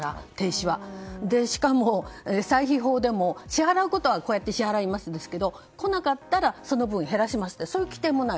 しかも、歳費法でも支払うことは支払うんですが来なかったらその分を減らしますというそういう規定もない。